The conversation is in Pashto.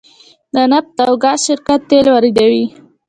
د نفت او ګاز شرکت تیل واردوي